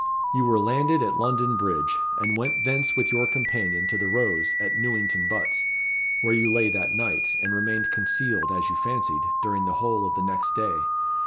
You were landed at London Bridge, and went thence with your companion to the Rose at Newington Butts, where you lay that night, and remained concealed, as you fancied, during the whole of the next day.